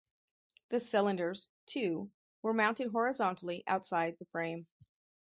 The cylinders (two) were mounted horizontally outside the frame.